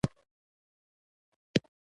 تاسو ويل چې ښځه يا خو د کور ده يا د ګور.